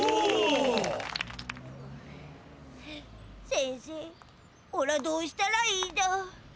せんせおらどうしたらいいだ。